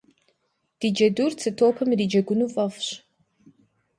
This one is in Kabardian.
Ди джэдур цы топым ириджэгуну фӏэфӏщ.